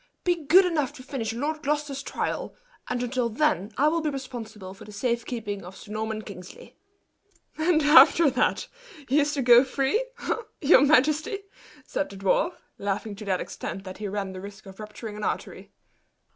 "Be good enough to finish Lord Gloucester's trial; and until then I will be responsible for the safekeeping of Sir Norman Kingsley." "And after that, he is to go free eh, your majesty?" said the dwarf, laughing to that extent that he ran the risk of rupturing an artery.